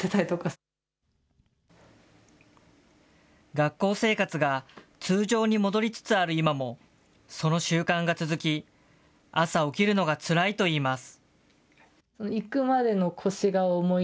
学校生活が通常に戻りつつある今も、その習慣が続き、朝起きるのがつらいといいます。